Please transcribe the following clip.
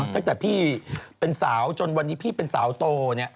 ตั้งแต่พี่เป็นสาวจนวันนี้พี่เป็นสาวโตเนี่ย